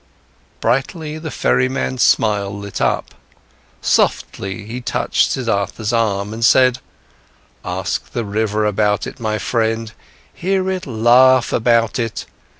Brightly, the ferryman's smile lit up; softly, he touched Siddhartha's arm and said: "Ask the river about it, my friend! Hear it laugh about it!